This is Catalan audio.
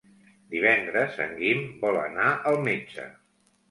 Divendres en Guim vol anar al metge.